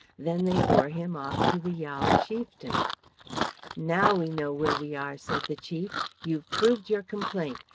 Then they bore him off to the Yao chieftain. "Now we know where we are," said the Chief. "You've proved your complaint.